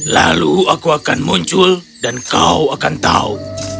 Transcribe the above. lalu aku akan muncul dan kau akan tahu